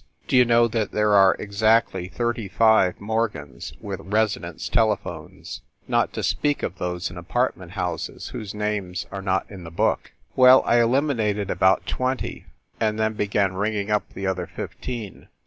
D you know that there are exactly thirty five Morgans with residence telephones, not to speak of those in apartment houses whose names are not in the book? Well, I eliminated about twenty, and then began ringing up the other fifteen.